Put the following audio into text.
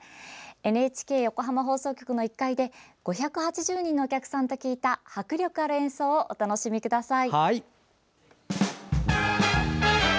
ＮＨＫ横浜放送局の１階で５８０人のお客さんと聴いた迫力ある演奏をお楽しみください。